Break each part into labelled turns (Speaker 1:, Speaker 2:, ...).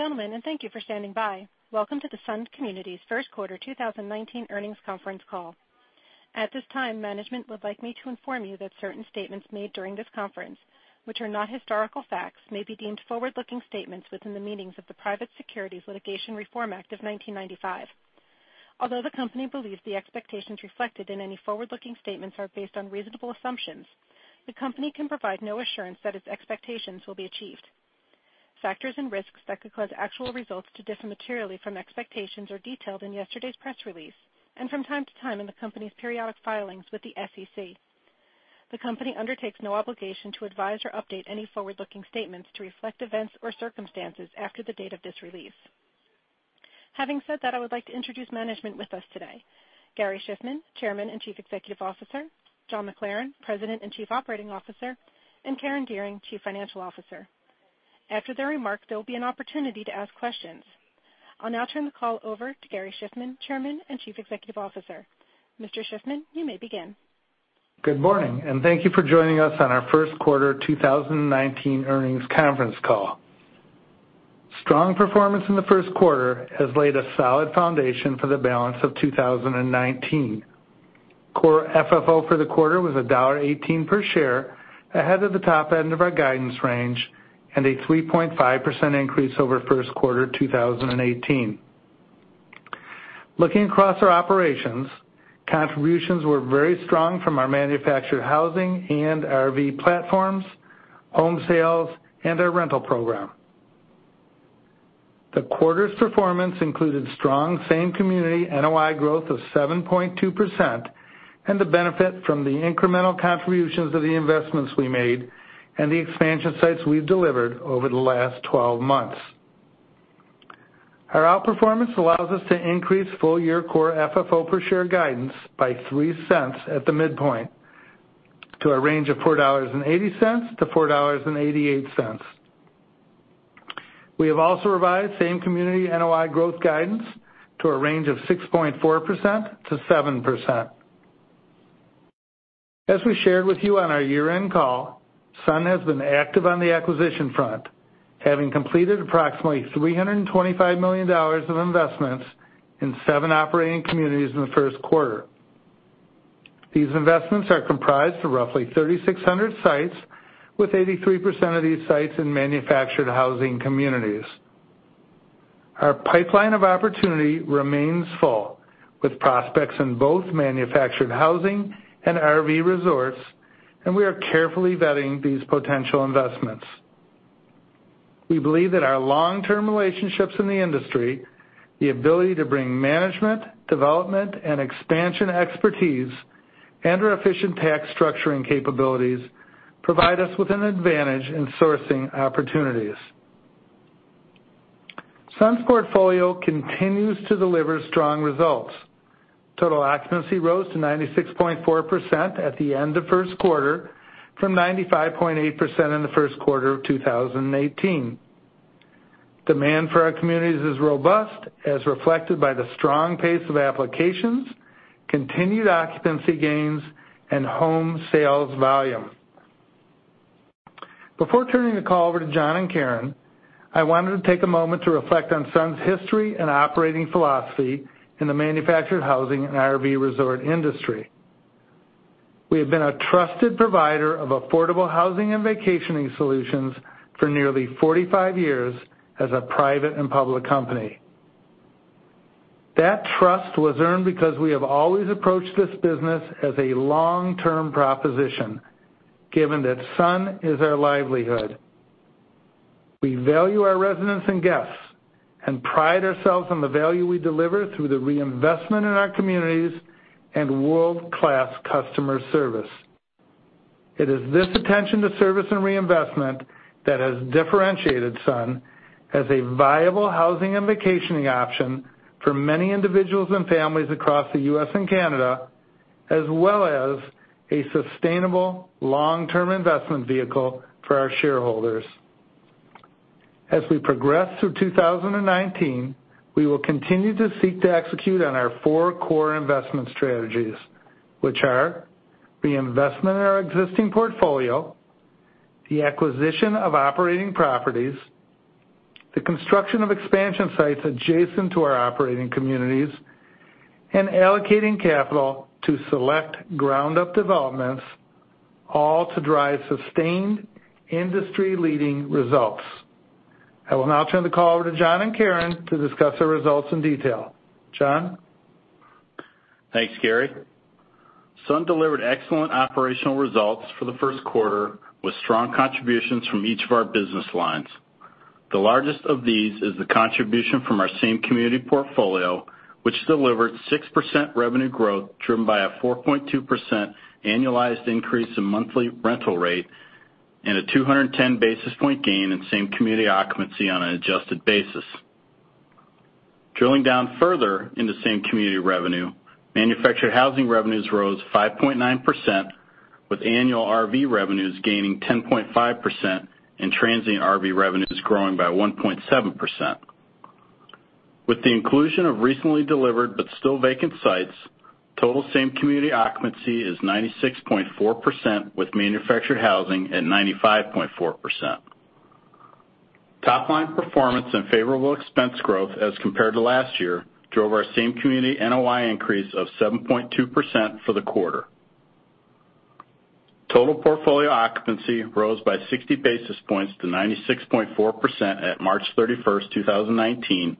Speaker 1: Gentlemen, thank you for standing by. Welcome to the Sun Communities first quarter 2019 earnings conference call. At this time, management would like me to inform you that certain statements made during this conference, which are not historical facts, may be deemed forward-looking statements within the meaning of the Private Securities Litigation Reform Act of 1995. Although the company believes the expectations reflected in any forward-looking statements are based on reasonable assumptions, the company can provide no assurance that its expectations will be achieved. Factors and risks that could cause actual results to differ materially from expectations are detailed in yesterday's press release, and from time to time in the company's periodic filings with the SEC. The company undertakes no obligation to advise or update any forward-looking statements to reflect events or circumstances after the date of this release. Having said that, I would like to introduce management with us today. Gary Shiffman, Chairman and Chief Executive Officer, John McLaren, President and Chief Operating Officer, and Karen Dearing, Chief Financial Officer. After their remarks, there will be an opportunity to ask questions. I'll now turn the call over to Gary Shiffman, Chairman and Chief Executive Officer. Mr. Shiffman, you may begin.
Speaker 2: Good morning, thank you for joining us on our first quarter 2019 earnings conference call. Strong performance in the first quarter has laid a solid foundation for the balance of 2019. Core FFO for the quarter was $1.18 per share, ahead of the top end of our guidance range and a 3.5% increase over first quarter 2018. Looking across our operations, contributions were very strong from our manufactured housing and RV platforms, home sales, and our rental program. The quarter's performance included strong same community NOI growth of 7.2% and the benefit from the incremental contributions of the investments we made and the expansion sites we've delivered over the last 12 months. Our outperformance allows us to increase full year Core FFO per share guidance by $0.03 at the midpoint to a range of $4.80 to $4.88. We have also revised same community NOI growth guidance to a range of 6.4%-7%. As we shared with you on our year-end call, Sun has been active on the acquisition front, having completed approximately $325 million of investments in seven operating communities in the first quarter. These investments are comprised of roughly 3,600 sites, with 83% of these sites in manufactured housing communities. Our pipeline of opportunity remains full, with prospects in both manufactured housing and RV resorts, and we are carefully vetting these potential investments. We believe that our long-term relationships in the industry, the ability to bring management, development, and expansion expertise, and our efficient tax structuring capabilities provide us with an advantage in sourcing opportunities. Sun's portfolio continues to deliver strong results. Total occupancy rose to 96.4% at the end of first quarter from 95.8% in the first quarter of 2018. Demand for our communities is robust, as reflected by the strong pace of applications, continued occupancy gains, and home sales volume. Before turning the call over to John and Karen, I wanted to take a moment to reflect on Sun's history and operating philosophy in the manufactured housing and RV resort industry. We have been a trusted provider of affordable housing and vacationing solutions for nearly 45 years as a private and public company. That trust was earned because we have always approached this business as a long-term proposition, given that Sun is our livelihood. We value our residents and guests and pride ourselves on the value we deliver through the reinvestment in our communities and world-class customer service. It is this attention to service and reinvestment that has differentiated Sun as a viable housing and vacationing option for many individuals and families across the U.S. and Canada, as well as a sustainable long-term investment vehicle for our shareholders. As we progress through 2019, we will continue to seek to execute on our four core investment strategies, which are the investment in our existing portfolio, the acquisition of operating properties, the construction of expansion sites adjacent to our operating communities, and allocating capital to select ground-up developments, all to drive sustained industry-leading results. I will now turn the call over to John and Karen to discuss the results in detail. John?
Speaker 3: Thanks, Gary. Sun delivered excellent operational results for the first quarter with strong contributions from each of our business lines. The largest of these is the contribution from our same community portfolio, which delivered 6% revenue growth, driven by a 4.2% annualized increase in monthly rental rate and a 210 basis point gain in same community occupancy on an adjusted basis. Drilling down further into same community revenue, manufactured housing revenues rose 5.9%, with annual RV revenues gaining 10.5% and transient RV revenues growing by 1.7%. With the inclusion of recently delivered but still vacant sites, total same community occupancy is 96.4%, with manufactured housing at 95.4%. Top line performance and favorable expense growth as compared to last year drove our same community NOI increase of 7.2% for the quarter. Total portfolio occupancy rose by 60 basis points to 96.4% at March 31st, 2019,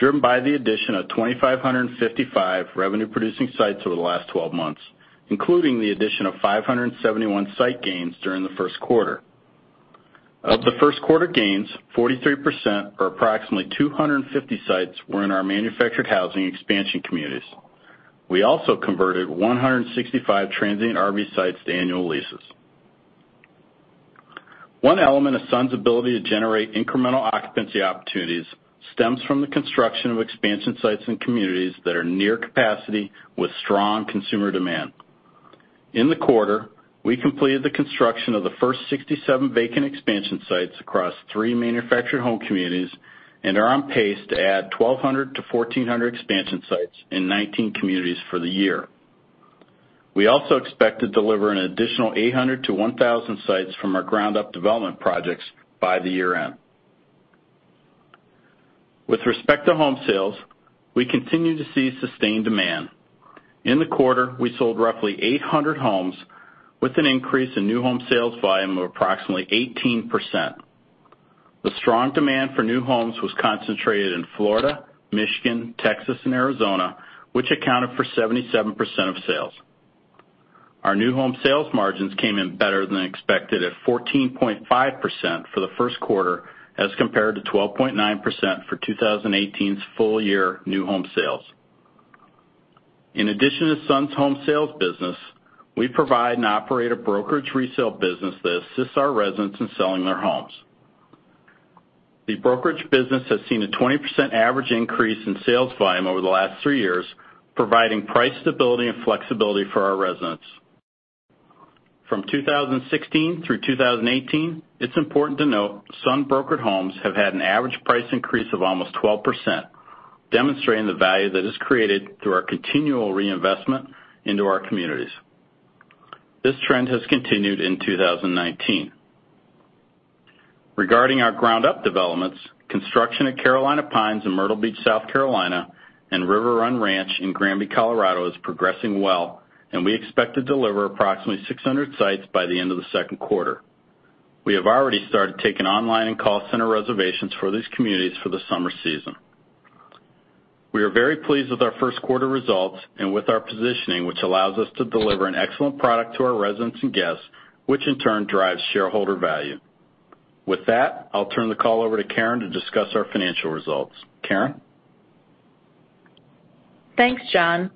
Speaker 3: driven by the addition of 2,555 revenue producing sites over the last 12 months, including the addition of 571 site gains during the first quarter. Of the first quarter gains, 43%, or approximately 250 sites, were in our manufactured housing expansion communities. We also converted 165 transient RV sites to annual leases. One element of Sun's ability to generate incremental occupancy opportunities stems from the construction of expansion sites and communities that are near capacity with strong consumer demand. In the quarter, we completed the construction of the first 67 vacant expansion sites across three manufactured home communities and are on pace to add 1,200 to 1,400 expansion sites in 19 communities for the year. We also expect to deliver an additional 800 to 1,000 sites from our ground up development projects by the year-end. With respect to home sales, we continue to see sustained demand. In the quarter, we sold roughly 800 homes with an increase in new home sales volume of approximately 18%. The strong demand for new homes was concentrated in Florida, Michigan, Texas, and Arizona, which accounted for 77% of sales. Our new home sales margins came in better than expected at 14.5% for the first quarter, as compared to 12.9% for 2018's full year new home sales. In addition to Sun's home sales business, we provide and operate a brokerage resale business that assists our residents in selling their homes. The brokerage business has seen a 20% average increase in sales volume over the last three years, providing price stability and flexibility for our residents. From 2016 through 2018, it's important to note Sun brokered homes have had an average price increase of almost 12%, demonstrating the value that is created through our continual reinvestment into our communities. This trend has continued in 2019. Regarding our ground up developments, construction at Carolina Pines in Myrtle Beach, South Carolina, and River Run Ranch in Granby, Colorado, is progressing well, and we expect to deliver approximately 600 sites by the end of the second quarter. We have already started taking online and call center reservations for these communities for the summer season. We are very pleased with our first quarter results and with our positioning, which allows us to deliver an excellent product to our residents and guests, which in turn drives shareholder value. With that, I'll turn the call over to Karen to discuss our financial results. Karen?
Speaker 4: Thanks, John.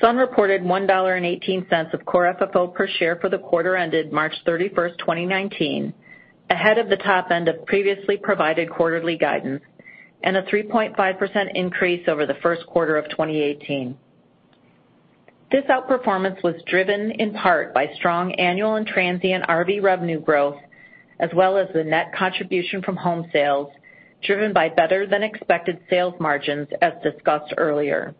Speaker 4: Sun reported $1.18 of Core FFO per share for the quarter ended March 31st, 2019, ahead of the top end of previously provided quarterly guidance, and a 3.5% increase over the first quarter of 2018. This outperformance was driven in part by strong annual and transient RV revenue growth, as well as the net contribution from home sales, driven by better than expected sales margins, as discussed earlier.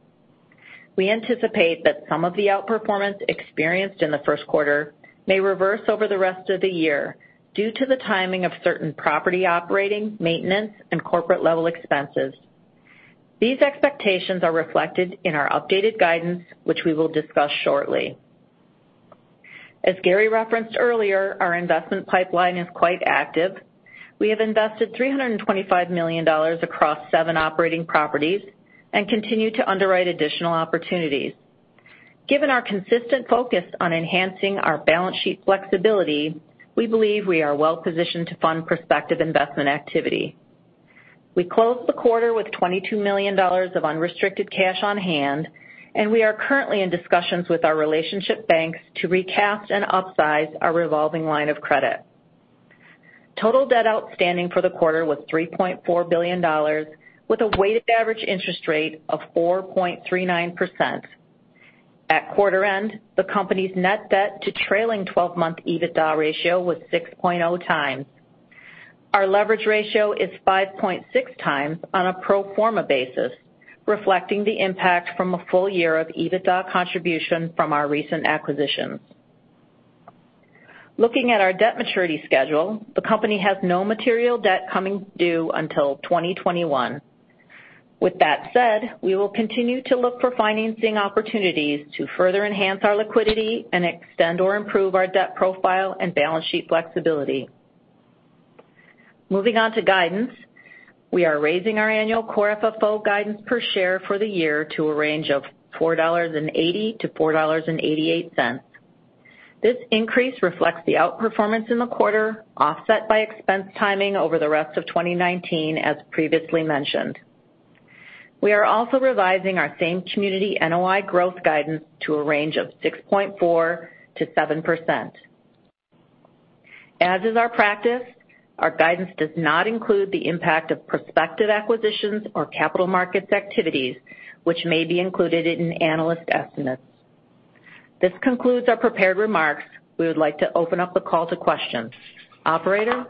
Speaker 4: We anticipate that some of the outperformance experienced in the first quarter may reverse over the rest of the year due to the timing of certain property operating, maintenance, and corporate level expenses. These expectations are reflected in our updated guidance, which we will discuss shortly. As Gary referenced earlier, our investment pipeline is quite active. We have invested $325 million across seven operating properties and continue to underwrite additional opportunities. Given our consistent focus on enhancing our balance sheet flexibility, we believe we are well positioned to fund prospective investment activity. We closed the quarter with $22 million of unrestricted cash on hand, and we are currently in discussions with our relationship banks to recast and upsize our revolving line of credit. Total debt outstanding for the quarter was $3.4 billion, with a weighted average interest rate of 4.39%. At quarter end, the company's net debt to trailing 12-month EBITDA ratio was 6.0 times. Our leverage ratio is 5.6 times on a pro forma basis, reflecting the impact from a full year of EBITDA contribution from our recent acquisitions. Looking at our debt maturity schedule, the company has no material debt coming due until 2021. With that said, we will continue to look for financing opportunities to further enhance our liquidity and extend or improve our debt profile and balance sheet flexibility. Moving on to guidance. We are raising our annual Core FFO guidance per share for the year to a range of $4.80-$4.88. This increase reflects the outperformance in the quarter, offset by expense timing over the rest of 2019 as previously mentioned. We are also revising our same community NOI growth guidance to a range of 6.4%-7%. As is our practice, our guidance does not include the impact of prospective acquisitions or capital markets activities, which may be included in analyst estimates
Speaker 5: This concludes our prepared remarks. We would like to open up the call to questions. Operator?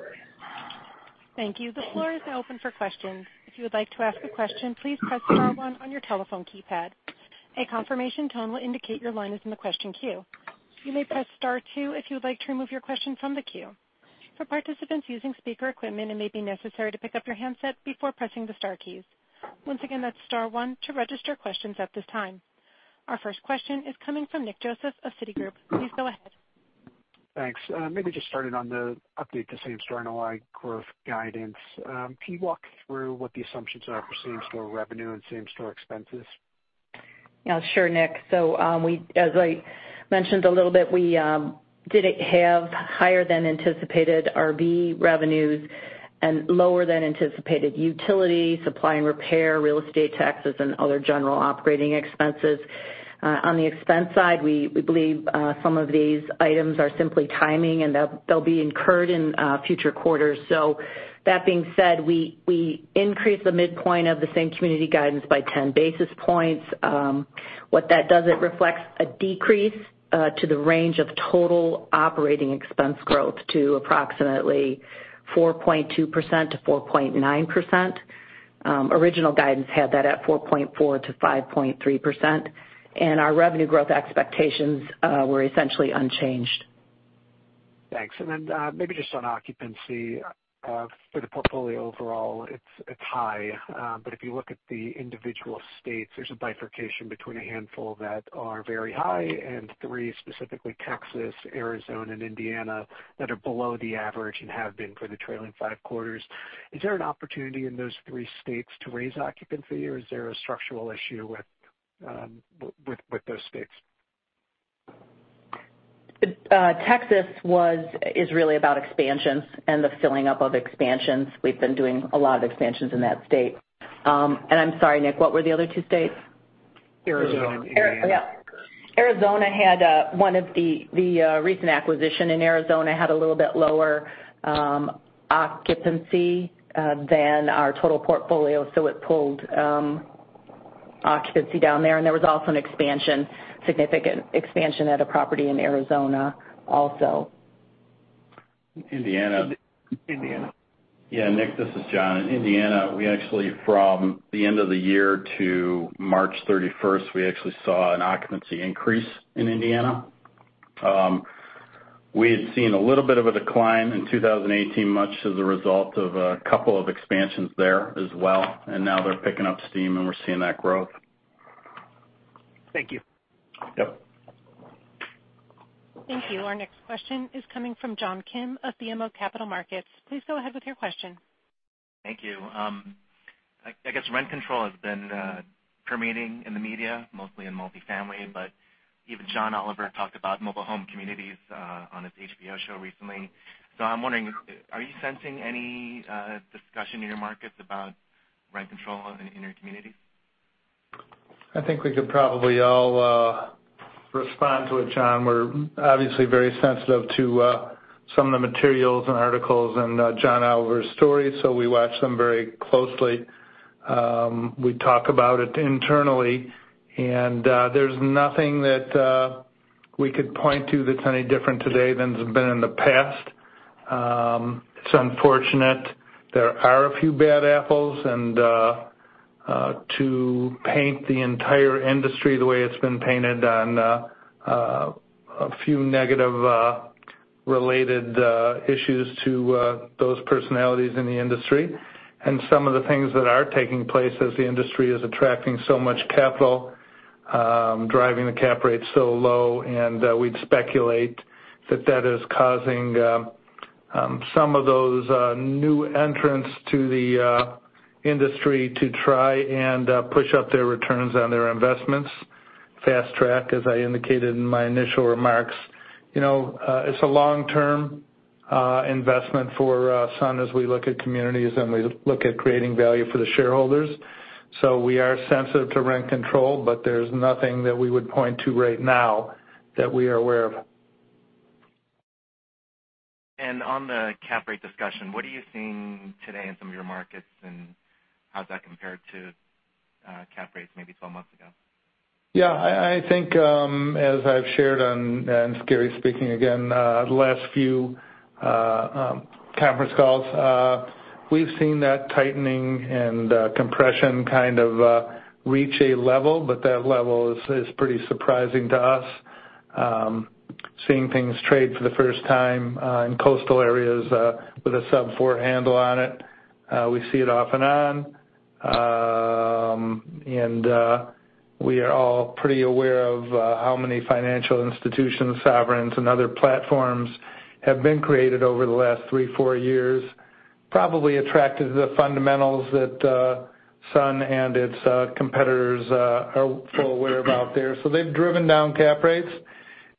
Speaker 1: Thank you. The floor is now open for questions. If you would like to ask a question, please press star one on your telephone keypad. A confirmation tone will indicate your line is in the question queue. You may press star two if you would like to remove your question from the queue. For participants using speaker equipment, it may be necessary to pick up your handset before pressing the star keys. Once again, that's star one to register questions at this time. Our first question is coming from Nick Joseph of Citigroup. Please go ahead.
Speaker 6: Thanks. Maybe just starting on the update to same-store NOI growth guidance. Can you walk through what the assumptions are for same-store revenue and same-store expenses?
Speaker 5: Sure, Nick. As I mentioned a little bit, we did have higher-than-anticipated RV revenues and lower than anticipated utility, supply and repair, real estate taxes, and other general operating expenses. On the expense side, we believe some of these items are simply timing, and they'll be incurred in future quarters. That being said, we increased the midpoint of the same community guidance by 10 basis points. What that does, it reflects a decrease to the range of total operating expense growth to approximately 4.2%-4.9%. Original guidance had that at 4.4%-5.3%, and our revenue growth expectations were essentially unchanged.
Speaker 6: Thanks. Maybe just on occupancy. For the portfolio overall, it's high. If you look at the individual states, there's a bifurcation between a handful that are very high and three, specifically Texas, Arizona, and Indiana, that are below the average and have been for the trailing five quarters. Is there an opportunity in those three states to raise occupancy, or is there a structural issue with those states?
Speaker 5: Texas is really about expansions and the filling up of expansions. We've been doing a lot of expansions in that state. I'm sorry, Nick, what were the other two states?
Speaker 6: Arizona.
Speaker 3: Arizona and Indiana.
Speaker 5: Yeah. The recent acquisition in Arizona had a little bit lower occupancy than our total portfolio, so it pulled occupancy down there. There was also an expansion, significant expansion at a property in Arizona also.
Speaker 3: Indiana.
Speaker 6: Indiana.
Speaker 3: Yeah, Nick, this is John. In Indiana, from the end of the year to March 31st, we actually saw an occupancy increase in Indiana. We had seen a little bit of a decline in 2018, much as a result of a couple of expansions there as well, now they're picking up steam, and we're seeing that growth.
Speaker 6: Thank you.
Speaker 3: Yep.
Speaker 1: Thank you. Our next question is coming from John Kim of BMO Capital Markets. Please go ahead with your question.
Speaker 7: Thank you. I guess rent control has been permeating in the media, mostly in multifamily, but even John Oliver talked about mobile home communities on his HBO show recently. I'm wondering, are you sensing any discussion in your markets about rent control in your communities?
Speaker 2: I think we could probably all respond to it, John. We're obviously very sensitive to some of the materials and articles in John Oliver's story, so we watch them very closely. We talk about it internally. There's nothing that we could point to that's any different today than it's been in the past. It's unfortunate. There are a few bad apples, to paint the entire industry the way it's been painted on a few negative related issues to those personalities in the industry. Some of the things that are taking place as the industry is attracting so much capital, driving the cap rate so low, and we'd speculate that that is causing some of those new entrants to the industry to try and push up their returns on their investments. Fast track, as I indicated in my initial remarks. It's a long-term investment for Sun as we look at communities and we look at creating value for the shareholders. We are sensitive to rent control, but there's nothing that we would point to right now that we are aware of.
Speaker 7: On the cap rate discussion, what are you seeing today in some of your markets, and how's that compared to cap rates maybe 12 months ago?
Speaker 2: I think as I've shared, and this is Gary speaking again, the last few conference calls, we've seen that tightening and compression kind of reach a level, but that level is pretty surprising to us. Seeing things trade for the first time in coastal areas with a sub-4 handle on it. We see it off and on. We are all pretty aware of how many financial institutions, sovereigns, and other platforms have been created over the last three, four years, probably attracted to the fundamentals that Sun and its competitors are full aware about there. They've driven down cap rates,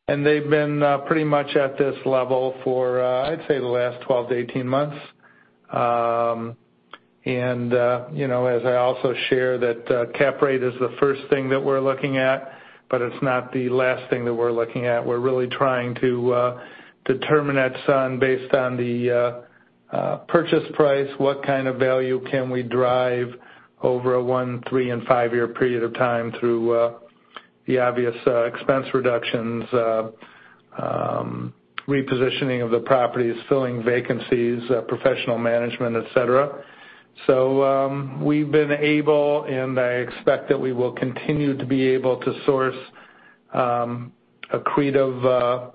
Speaker 2: and they've been pretty much at this level for, I'd say, the last 12 to 18 months. As I also share that cap rate is the first thing that we're looking at, but it's not the last thing that we're looking at. We're really trying to determine at Sun based on the Purchase price, what kind of value can we drive over a one, three, and five-year period of time through the obvious expense reductions, repositioning of the properties, filling vacancies, professional management, et cetera. We've been able, and I expect that we will continue to be able to source accretive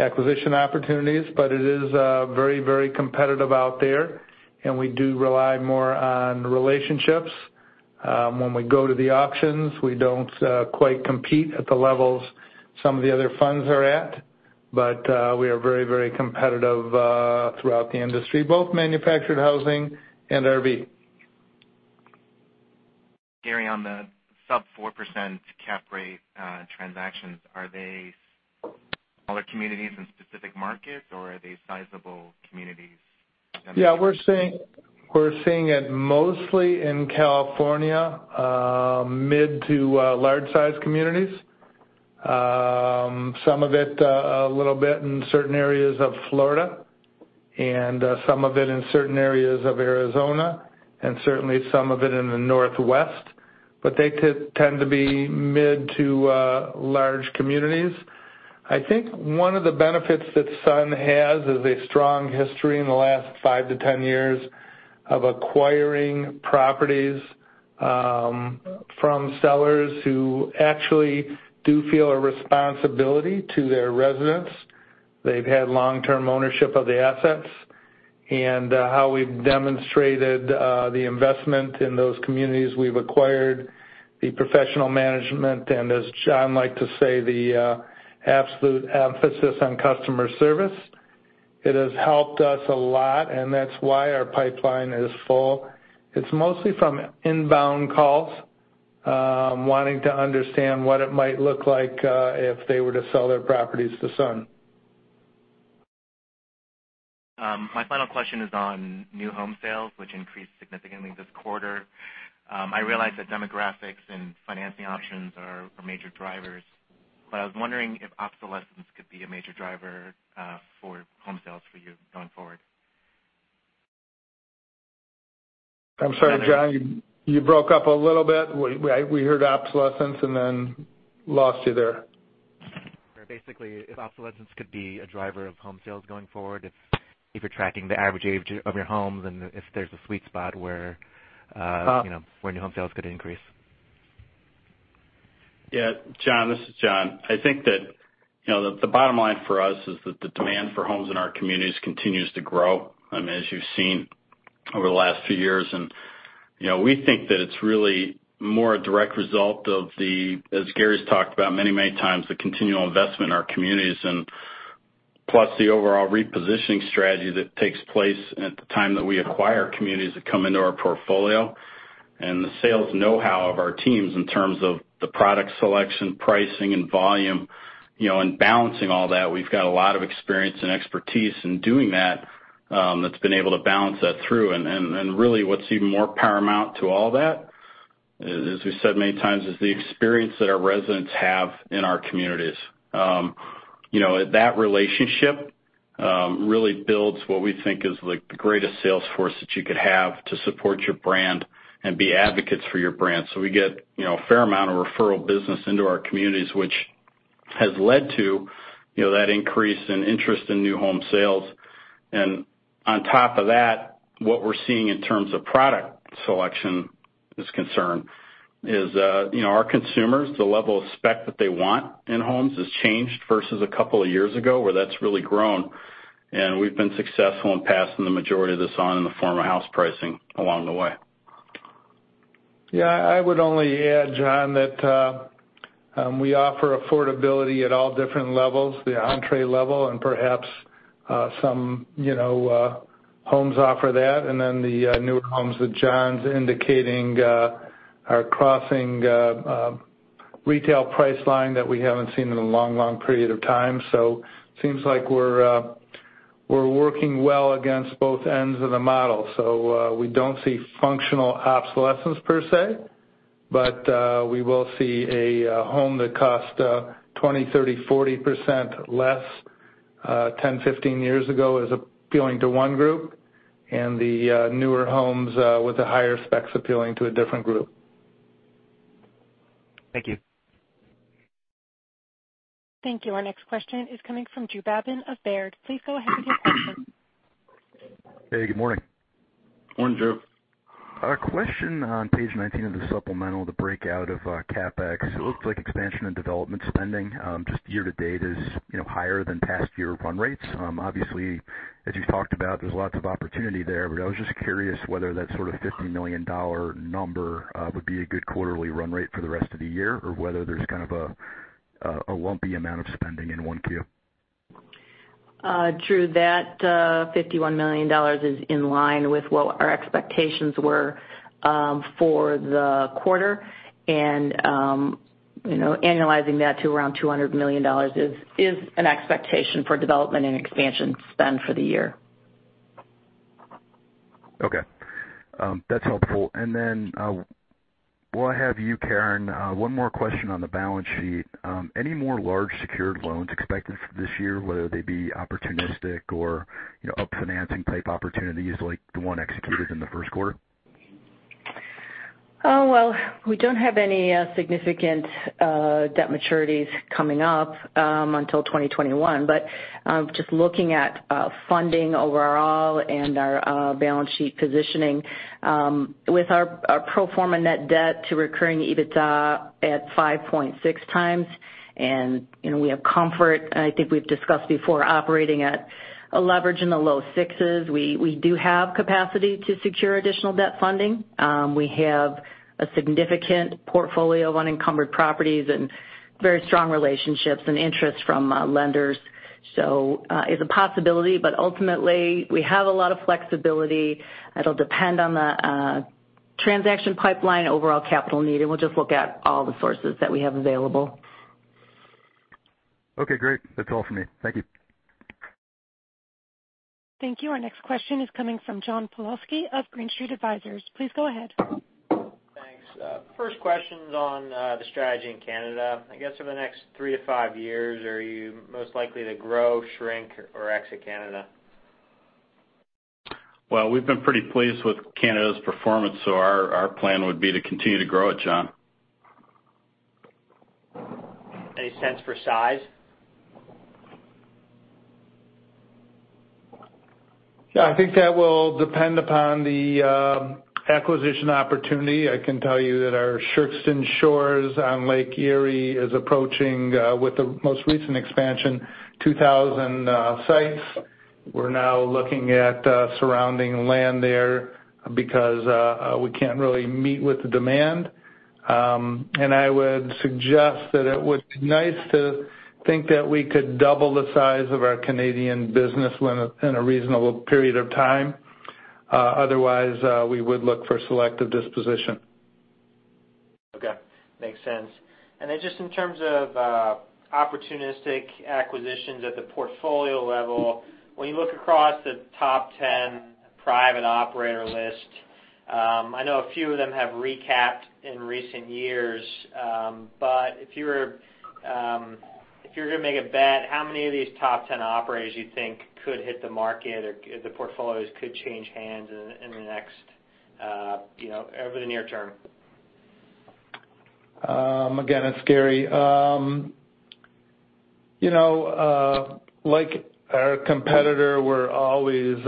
Speaker 2: acquisition opportunities, but it is very competitive out there, and we do rely more on relationships. When we go to the auctions, we don't quite compete at the levels some of the other funds are at, but we are very competitive throughout the industry, both manufactured housing and RV.
Speaker 7: Gary, on the sub 4% cap rate transactions, are they smaller communities in specific markets, or are they sizable communities?
Speaker 2: Yeah, we're seeing it mostly in California, mid to large-size communities. Some of it, a little bit in certain areas of Florida, and some of it in certain areas of Arizona, and certainly some of it in the Northwest. They tend to be mid to large communities. I think one of the benefits that Sun has is a strong history in the last five to 10 years of acquiring properties from sellers who actually do feel a responsibility to their residents. They've had long-term ownership of the assets, and how we've demonstrated the investment in those communities we've acquired, the professional management, and as John like to say, the absolute emphasis on customer service. It has helped us a lot, and that's why our pipeline is full. It's mostly from inbound calls, wanting to understand what it might look like if they were to sell their properties to Sun.
Speaker 7: My final question is on new home sales, which increased significantly this quarter. I realize that demographics and financing options are major drivers, but I was wondering if obsolescence could be a major driver for home sales for you going forward.
Speaker 2: I'm sorry, John, you broke up a little bit. We heard obsolescence and then lost you there.
Speaker 7: Sure. Basically, if obsolescence could be a driver of home sales going forward, if you're tracking the average age of your homes and if there's a sweet spot where new home sales could increase.
Speaker 3: John, this is John. I think that the bottom line for us is that the demand for homes in our communities continues to grow, as you've seen over the last few years. We think that it's really more a direct result of the, as Gary's talked about many times, the continual investment in our communities, plus the overall repositioning strategy that takes place at the time that we acquire communities that come into our portfolio. The sales know-how of our teams in terms of the product selection, pricing, and volume, and balancing all that. We've got a lot of experience and expertise in doing that's been able to balance that through. Really what's even more paramount to all that is, as we said many times, is the experience that our residents have in our communities. That relationship really builds what we think is the greatest sales force that you could have to support your brand and be advocates for your brand. We get a fair amount of referral business into our communities, which has led to that increase in interest in new home sales. On top of that, what we're seeing in terms of product selection is concerned is, our consumers, the level of spec that they want in homes has changed versus a couple of years ago, where that's really grown. We've been successful in passing the majority of this on in the form of house pricing along the way.
Speaker 2: Yeah, I would only add, John, that we offer affordability at all different levels, the entree level, and perhaps some homes offer that, and then the newer homes that John's indicating are crossing retail price line that we haven't seen in a long period of time. Seems like we're working well against both ends of the model. We don't see functional obsolescence per se, but we will see a home that cost 20%, 30%, 40% less, 10, 15 years ago as appealing to one group, and the newer homes with the higher specs appealing to a different group.
Speaker 7: Thank you.
Speaker 1: Thank you. Our next question is coming from Drew Babin of Baird. Please go ahead with your question.
Speaker 8: Hey, good morning.
Speaker 2: Morning, Drew.
Speaker 8: A question on page 19 of the supplemental, the breakout of CapEx. It looks like expansion and development spending, just year to date is higher than past year run rates. Obviously, as you've talked about, there's lots of opportunity there, but I was just curious whether that sort of $50 million number would be a good quarterly run rate for the rest of the year, or whether there's kind of a lumpy amount of spending in 1Q.
Speaker 4: Drew, that $51 million is in line with what our expectations were for the quarter. Annualizing that to around $200 million is an expectation for development and expansion spend for the year.
Speaker 8: Okay. That's helpful. While I have you, Karen, one more question on the balance sheet. Any more large secured loans expected for this year, whether they be opportunistic or up financing type opportunities like the one executed in the first quarter?
Speaker 4: Oh, well, we don't have any significant debt maturities coming up until 2021. Just looking at funding overall and our balance sheet positioning with our pro forma net debt to recurring EBITDA at 5.6 times, we have comfort, and I think we've discussed before operating at a leverage in the low sixes. We do have capacity to secure additional debt funding. We have a significant portfolio of unencumbered properties and very strong relationships and interest from lenders. It's a possibility, but ultimately, we have a lot of flexibility. It'll depend on the transaction pipeline overall capital need, and we'll just look at all the sources that we have available.
Speaker 8: Okay, great. That's all for me. Thank you.
Speaker 1: Thank you. Our next question is coming from John Pawlowski of Green Street Advisors. Please go ahead.
Speaker 9: Thanks. First question's on the strategy in Canada. I guess over the next three to five years, are you most likely to grow, shrink, or exit Canada?
Speaker 2: Well, we've been pretty pleased with Canada's performance, our plan would be to continue to grow it, John.
Speaker 9: Any sense for size?
Speaker 2: Yeah, I think that will depend upon the acquisition opportunity. I can tell you that our Sherkston Shores on Lake Erie is approaching, with the most recent expansion, 2,000 sites. We're now looking at surrounding land there because we can't really meet with the demand. I would suggest that it would be nice to think that we could double the size of our Canadian business in a reasonable period of time. Otherwise, we would look for selective disposition.
Speaker 9: Okay. Makes sense. Then just in terms of opportunistic acquisitions at the portfolio level, when you look across the top 10 private operator list, I know a few of them have recapped in recent years. If you're gonna make a bet, how many of these top 10 operators you think could hit the market or the portfolios could change hands over the near term?
Speaker 2: Again, it's Gary. Like our competitor, we're always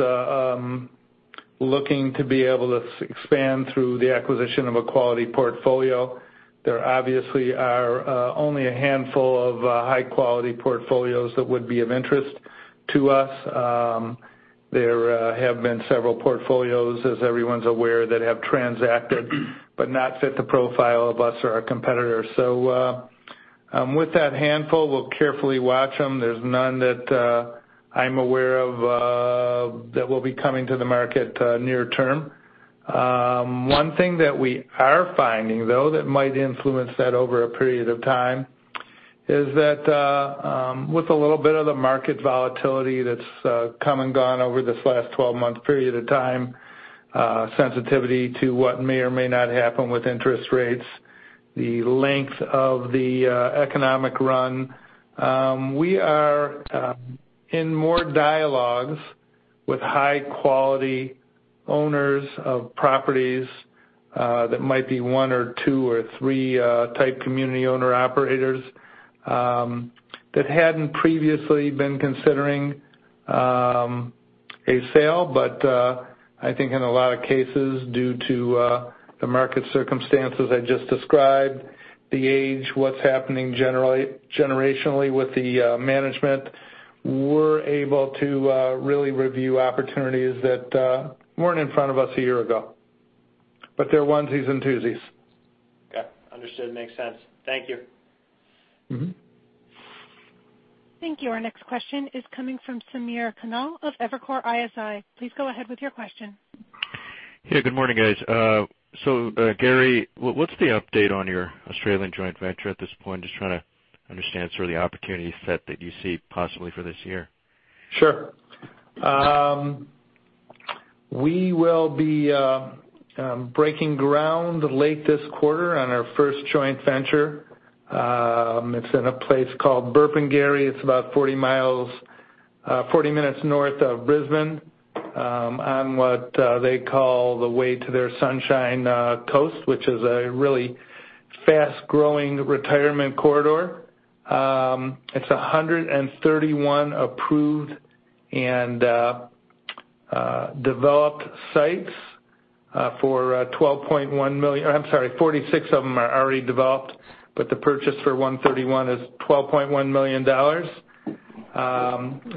Speaker 2: looking to be able to expand through the acquisition of a quality portfolio. There obviously are only a handful of high-quality portfolios that would be of interest to us. There have been several portfolios, as everyone's aware, that have transacted, but not fit the profile of us or our competitors. With that handful, we'll carefully watch them. There's none that I'm aware of that will be coming to the market near-term. One thing that we are finding, though, that might influence that over a period of time is that with a little bit of the market volatility that's come and gone over this last 12-month period of time, sensitivity to what may or may not happen with interest rates, the length of the economic run, we are in more dialogues with high-quality owners of properties that might be 1 or 2 or 3 type community owner-operators that hadn't previously been considering a sale. I think in a lot of cases, due to the market circumstances I just described, the age, what's happening generationally with the management, we're able to really review opportunities that weren't in front of us a year ago. They're onesies and twosies.
Speaker 9: Okay. Understood. Makes sense. Thank you.
Speaker 1: Thank you. Our next question is coming from Samir Khanal of Evercore ISI. Please go ahead with your question.
Speaker 10: Hey, good morning, guys. Gary, what's the update on your Australian joint venture at this point? Just trying to understand sort of the opportunity set that you see possibly for this year.
Speaker 2: Sure. We will be breaking ground late this quarter on our first joint venture. It's in a place called Burpengary. It's about 40 minutes north of Brisbane, on what they call the way to their Sunshine Coast, which is a really fast-growing retirement corridor. It's 131 approved and developed sites for $12.1 million. I'm sorry, 46 of them are already developed, but the purchase for 131 is $12.1 million.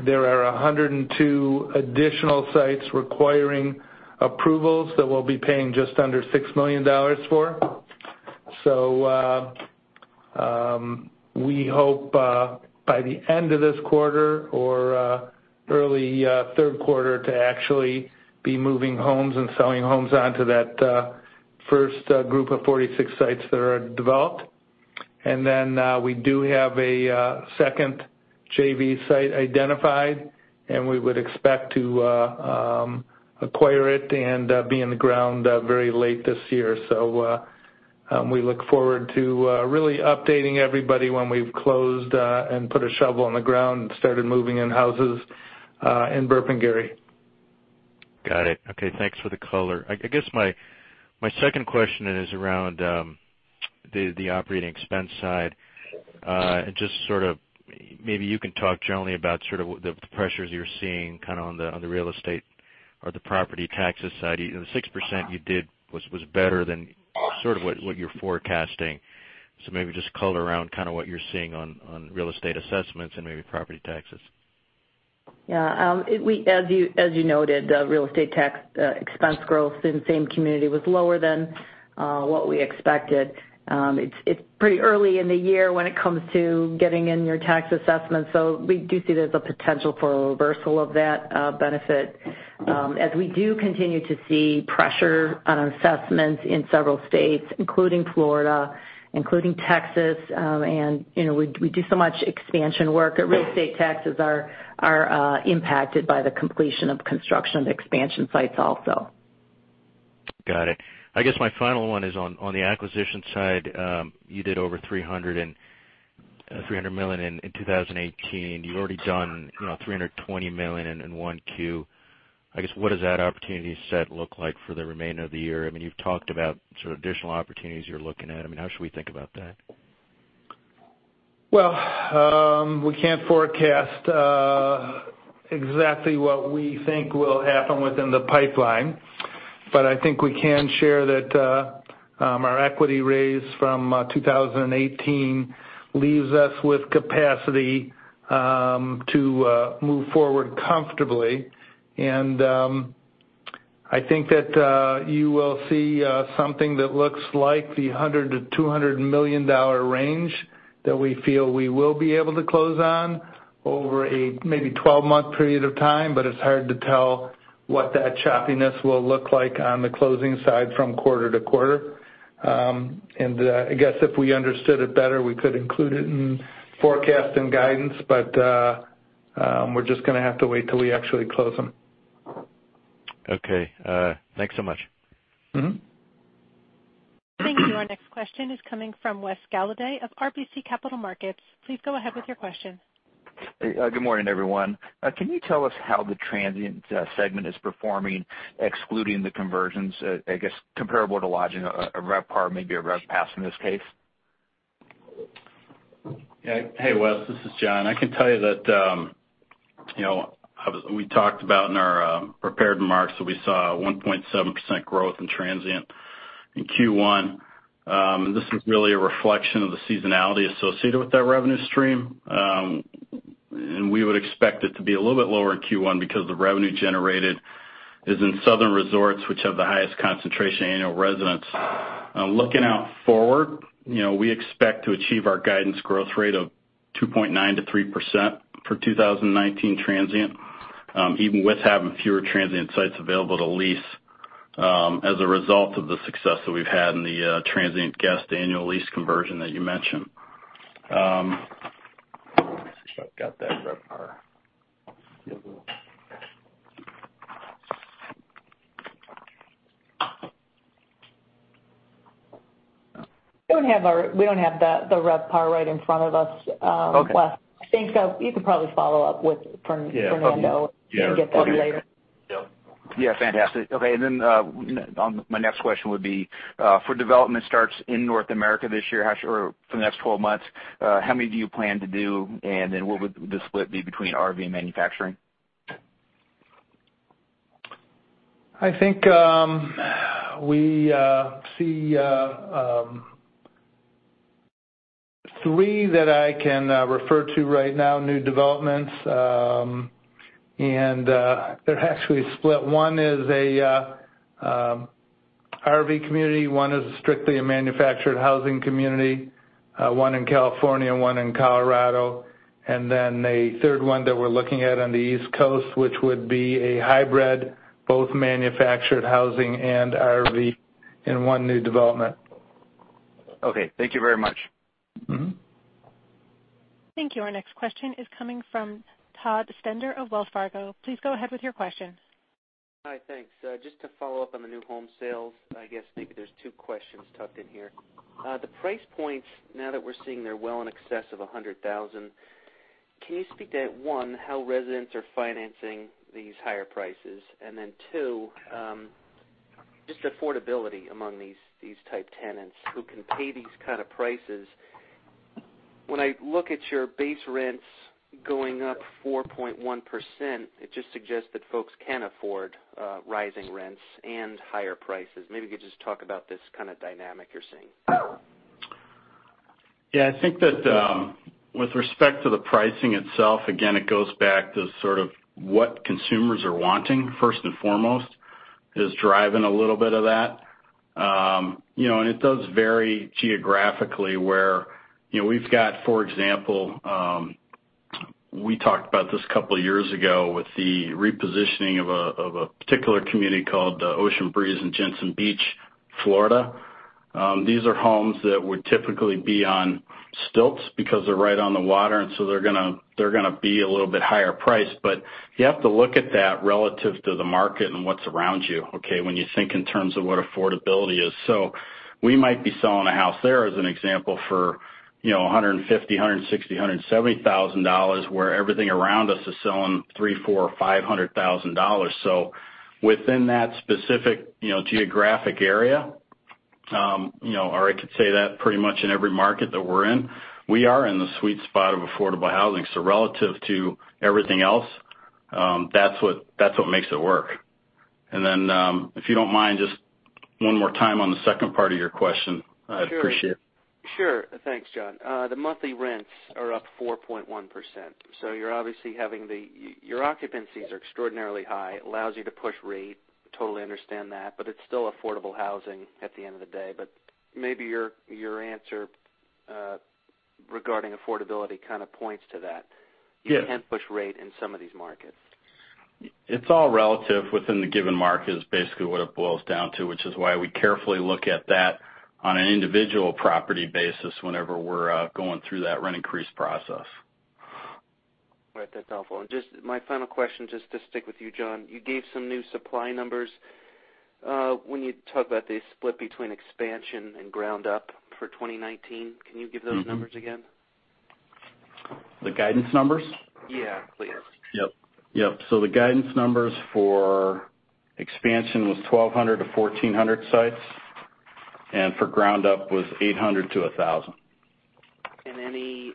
Speaker 2: There are 102 additional sites requiring approvals that we'll be paying just under $6 million for. We hope by the end of this quarter or early third quarter to actually be moving homes and selling homes onto that first group of 46 sites that are developed. And then we do have a second JV site identified, and we would expect to acquire it and be in the ground very late this year. We look forward to really updating everybody when we've closed and put a shovel on the ground and started moving in houses in Burpengary.
Speaker 10: Got it. Okay, thanks for the color. I guess my second question is around the operating expense side. Just sort of maybe you can talk generally about sort of the pressures you're seeing kind of on the real estate or the property tax side. The 6% you did was better than sort of what you're forecasting. Maybe just color around kind of what you're seeing on real estate assessments and maybe property taxes.
Speaker 4: Yeah. As you noted, the real estate tax expense growth in the same community was lower than what we expected. It's pretty early in the year when it comes to getting in your tax assessment. We do see there's a potential for a reversal of that benefit as we do continue to see pressure on assessments in several states, including Florida, including Texas, and we do so much expansion work that real estate taxes are impacted by the completion of construction of expansion sites also.
Speaker 10: Got it. I guess my final one is on the acquisition side. You did over $300 million in 2018. You've already done $320 million in 1Q. I guess, what does that opportunity set look like for the remainder of the year? I mean, you've talked about sort of additional opportunities you're looking at. I mean, how should we think about that?
Speaker 2: We can't forecast exactly what we think will happen within the pipeline. I think we can share that our equity raise from 2018 leaves us with capacity to move forward comfortably. I think that you will see something that looks like the $100 million-$200 million range that we feel we will be able to close on over a maybe 12-month period of time. It's hard to tell what that choppiness will look like on the closing side from quarter to quarter. I guess if we understood it better, we could include it in forecast and guidance. We're just going to have to wait till we actually close them.
Speaker 10: Thanks so much.
Speaker 1: Thank you. Our next question is coming from Wesley Golladay of RBC Capital Markets. Please go ahead with your question.
Speaker 11: Good morning, everyone. Can you tell us how the transient segment is performing, excluding the conversions, I guess comparable to lodging, a RevPAR, maybe a RevPAS in this case?
Speaker 3: Hey, Wes, this is John. I can tell you that we talked about in our prepared remarks that we saw a 1.7% growth in transient in Q1. This is really a reflection of the seasonality associated with that revenue stream. We would expect it to be a little bit lower in Q1 because the revenue generated is in southern resorts, which have the highest concentration of annual residents. Looking out forward, we expect to achieve our guidance growth rate of 2.9%-3% for 2019 transient, even with having fewer transient sites available to lease as a result of the success that we've had in the transient guest annual lease conversion that you mentioned. Let me see if I've got that RevPAR.
Speaker 4: We don't have the RevPAR right in front of us, Wes.
Speaker 11: Okay.
Speaker 4: I think you could probably follow up from Fernando and get that later.
Speaker 3: Yeah.
Speaker 11: Yeah, fantastic. Okay, my next question would be, for development starts in North America this year, or for the next 12 months, how many do you plan to do? What would the split be between RV and manufactured housing?
Speaker 2: I think we see three that I can refer to right now, new developments, They're actually split. One is a RV community. One is strictly a manufactured housing community, one in California, one in Colorado. A third one that we're looking at on the East Coast, which would be a hybrid, both manufactured housing and RV in one new development.
Speaker 11: Okay. Thank you very much.
Speaker 1: Thank you. Our next question is coming from Todd Stender of Wells Fargo. Please go ahead with your question.
Speaker 12: Hi, thanks. Just to follow up on the new home sales, I guess maybe there's two questions tucked in here. The price points, now that we're seeing they're well in excess of $100,000, can you speak to, one, how residents are financing these higher prices? Two, just affordability among these type tenants who can pay these kind of prices. When I look at your base rents going up 4.1%, it just suggests that folks can afford rising rents and higher prices. Maybe you could just talk about this kind of dynamic you're seeing.
Speaker 3: Yeah, I think that with respect to the pricing itself, again, it goes back to sort of what consumers are wanting, first and foremost, is driving a little bit of that. It does vary geographically where we've got for example. We talked about this a couple of years ago with the repositioning of a particular community called Ocean Breeze in Jensen Beach, Florida. These are homes that would typically be on stilts because they're right on the water, so they're going to be a little bit higher priced. You have to look at that relative to the market and what's around you, okay, when you think in terms of what affordability is. We might be selling a house there, as an example, for $150,000, $160,000, $170,000, where everything around us is selling three, four, $500,000. Within that specific geographic area, or I could say that pretty much in every market that we're in, we are in the sweet spot of affordable housing. Relative to everything else, that's what makes it work. If you don't mind, just one more time on the second part of your question. I'd appreciate it.
Speaker 12: Sure. Thanks, John. The monthly rents are up 4.1%. You're obviously having Your occupancies are extraordinarily high. It allows you to push rate, totally understand that, it's still affordable housing at the end of the day. Maybe your answer regarding affordability kind of points to that.
Speaker 3: Yeah.
Speaker 12: You can push rate in some of these markets.
Speaker 3: It's all relative within the given market, is basically what it boils down to, which is why we carefully look at that on an individual property basis whenever we're going through that rent increase process.
Speaker 12: Right. That's helpful. My final question, just to stick with you, John, you gave some new supply numbers. When you talk about the split between expansion and ground up for 2019, can you give those numbers again?
Speaker 3: The guidance numbers?
Speaker 12: Yeah, please.
Speaker 3: Yep. The guidance numbers for expansion was 1,200-1,400 sites, and for ground up was 800-1,000.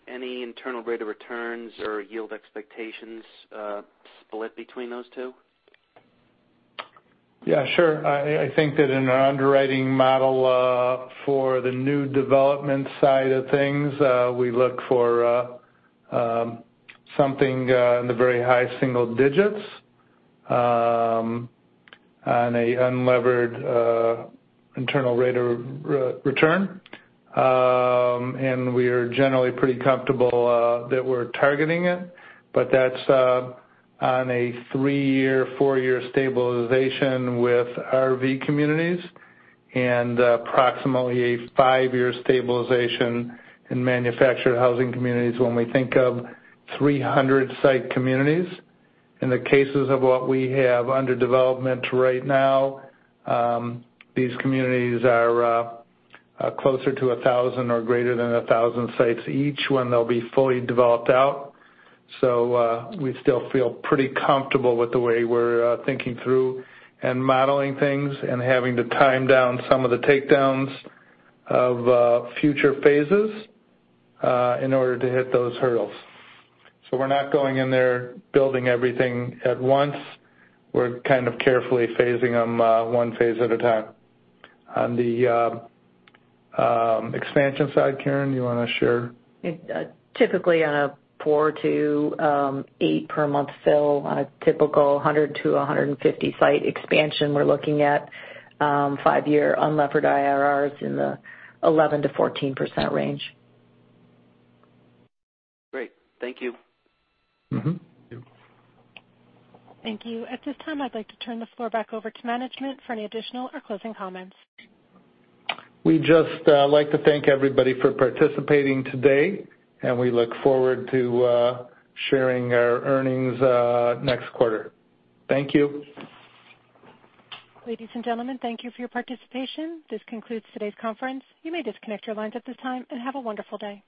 Speaker 12: Any internal rate of returns or yield expectations split between those two?
Speaker 2: I think that in our underwriting model for the new development side of things, we look for something in the very high single digits on an unlevered internal rate of return. We are generally pretty comfortable that we're targeting it, but that's on a 3-year, 4-year stabilization with RV communities and approximately a 5-year stabilization in manufactured housing communities when we think of 300-site communities. In the cases of what we have under development right now, these communities are closer to 1,000 or greater than 1,000 sites each when they'll be fully developed out. We still feel pretty comfortable with the way we're thinking through and modeling things and having to time down some of the takedowns of future phases in order to hit those hurdles. We're not going in there building everything at once. We're kind of carefully phasing them one phase at a time. On the expansion side, Karen, you want to share?
Speaker 4: Typically on a four to eight per month fill on a typical 100-150 site expansion, we're looking at five-year unlevered IRRs in the 11%-14% range.
Speaker 12: Great. Thank you.
Speaker 2: Thank you.
Speaker 1: Thank you. At this time, I'd like to turn the floor back over to management for any additional or closing comments.
Speaker 2: We'd just like to thank everybody for participating today, and we look forward to sharing our earnings next quarter. Thank you.
Speaker 1: Ladies and gentlemen, thank you for your participation. This concludes today's conference. You may disconnect your lines at this time, and have a wonderful day.